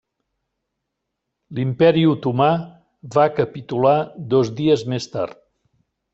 L'Imperi Otomà va capitular dos dies més tard.